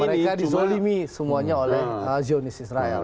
mereka dizolimi semuanya oleh zionis israel